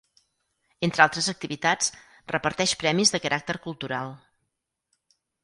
Entre altres activitats, reparteix premis de caràcter cultural.